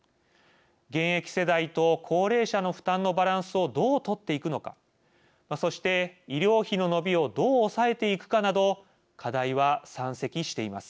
現役世代と高齢者の負担のバランスをどう取っていくのかそして医療費の伸びをどう抑えていくかなど課題は山積しています。